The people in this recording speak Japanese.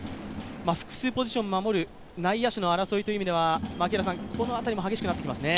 複数ポジションを守る内野手の争いという意味では、この辺りも激しくなってきますね。